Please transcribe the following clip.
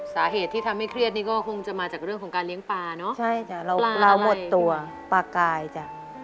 สาเหตุที่ทำให้เครียดนี่ก็คงจะมาจากเรื่องของการเลี้ยงปลาเนอะใช่จ้ะเราหมดตัวปลากายจ้ะ